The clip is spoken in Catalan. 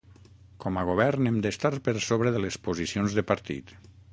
Com a govern hem d’estar per sobre de les posicions de partit.